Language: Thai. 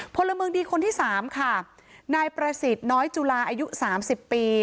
พลเมืองดีคนที่สามค่ะนายประสิทธิ์น้อยจุลาอายุสามสิบปี